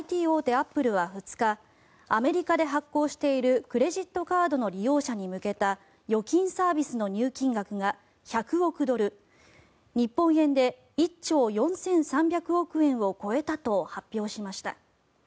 アップルは２日アメリカで発行しているクレジットカードの利用者に向けた預金サービスの入金額が１００億ドル日本円で１兆４３００億円を超えたと発表しました。